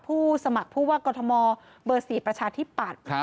ผู้สมัครผู้ว่ากรทมเบอร์๔ประชาธิปัตย์